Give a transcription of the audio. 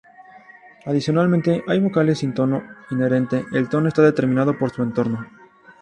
Adicionalmente hay vocales sin tono inherente, el tono está determinado por su entorno.